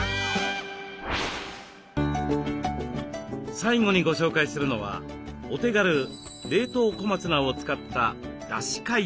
最後にご紹介するのはお手軽冷凍小松菜を使っただし解凍。